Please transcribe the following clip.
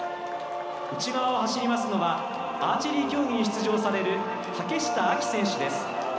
内側を走りますのはアーチェリー競技に出場される竹下明希選手です。